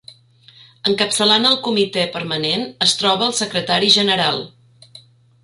Encapçalant el Comitè Permanent es troba el secretari general.